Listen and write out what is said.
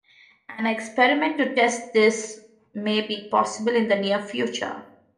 An experiment to test this may be possible in the near future.